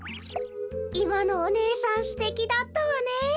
いまのお姉さんすてきだったわね。